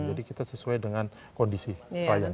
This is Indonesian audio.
jadi kita sesuai dengan kondisi pelayan